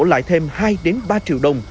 lại thêm hai ba triệu đồng